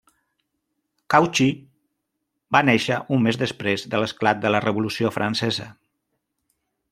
Cauchy va néixer un mes després de l'esclat de la Revolució Francesa.